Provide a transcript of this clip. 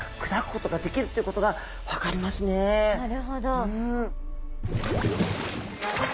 なるほど。